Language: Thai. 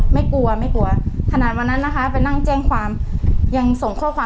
บอกว่าอะไรนะยกมาทั้งลงพักเลยกูไม่กลัวหรอกอะไรอย่างเงี้ย